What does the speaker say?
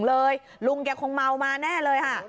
ลุงแกคงเมามาแน่เลยค่ะ